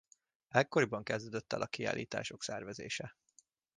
Ekkoriban kezdődött el a kiállítások szervezése.